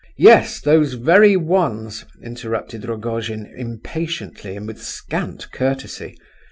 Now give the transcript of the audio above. "Yes—those very ones," interrupted Rogojin, impatiently, and with scant courtesy.